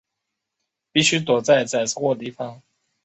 必须躲在载货的地方